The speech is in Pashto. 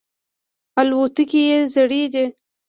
الوتکې یې زړې دي.